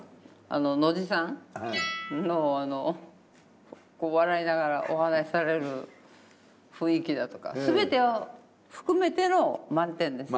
あの野地さんの笑いながらお話しされる雰囲気だとか全てを含めての満点です。